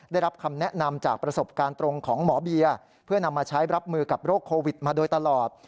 ได้รับคำแนะนำจากประสบการณ์ตรงของหมอเบียร์เพื่อนำมาใช้รับมือกับโรคโควิดมาโดยตลอด